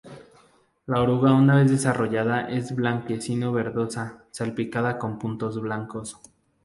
La oruga una vez desarrollada es blanquecino-verdosa, salpicada con puntos blanco.